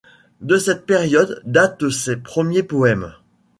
De cette période datent ses premiers poèmes.